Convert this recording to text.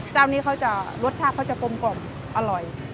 เจ้านี้เขารสชาติเขาจะกลมอร่อย